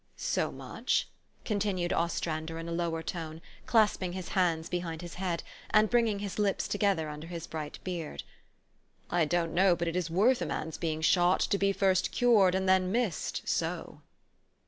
" So much?" continued Ostrander in a lower tone, clasping his hands behind his head, and bring ing his lips together under his bright beard. "I don't know but it is worth a man's being shot, to be first cured, and then missed so."